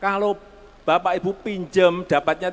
kalau bapak ibu pinjem dapatnya tiga puluh juta